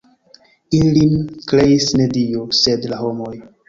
Ilin kreis ne Dio, sed la homoj.